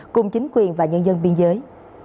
cùng chính quyền và nhân dân biên giới